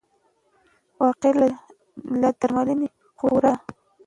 وقايه له درملنې غوره ده.